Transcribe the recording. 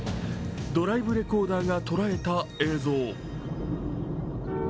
ドライブレコーダーが捉えた映像。